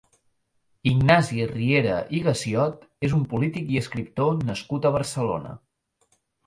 Ignasi Riera i Gassiot és un polític i escriptor nascut a Barcelona.